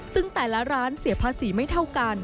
ซึ่งแต่ละร้านเสียภาษีไม่เท่ากัน